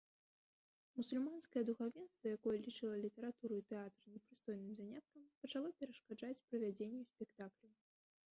Мусульманскае духавенства, якое лічыла літаратуру і тэатр непрыстойным заняткам, пачало перашкаджаць правядзенню спектакляў.